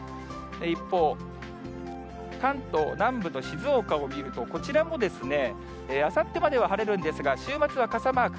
一方、関東南部と静岡を見ると、こちらも、あさってまでは晴れるんですが、週末は傘マーク。